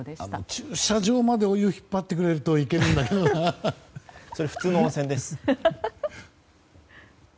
駐車場までお湯を引っ張ってくれるとそれは普通の温泉です。